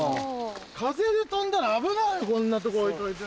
風で飛んだら危ないよこんなとこ置いといて。